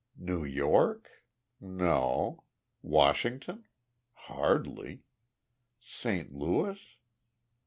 "New York? No. Washington? Hardly. Saint Louis?